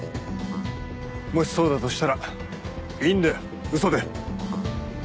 もしそうだとしたらいいんだよ嘘で。